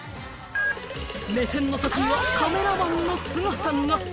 目線の先にはカメラマンの姿が。